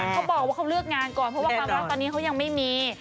เขาบอกว่าเขาเลือกงานก่อนเพราะว่าความรักตอนนี้เขายังไม่มี